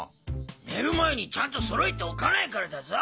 寝る前にちゃんと揃えておかないからだぞ！